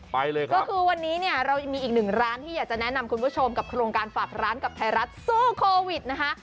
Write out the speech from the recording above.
ไปเลยครับก็คือวันนี้เนี่ยเรายังมีอีกหนึ่งร้านที่อยากจะแนะนำคุณผู้ชมกับโครงการฝากร้านกับไทยรัฐสู้โควิดนะคะ